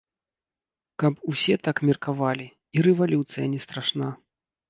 Калі б усе так меркавалі, і рэвалюцыя не страшна.